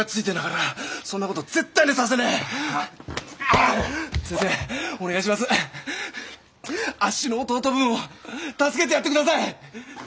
あっしの弟分を助けてやって下さい！